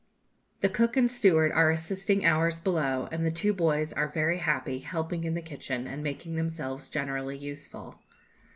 The cook and steward are assisting ours below, and the two boys are very happy, helping in the kitchen, and making themselves generally useful.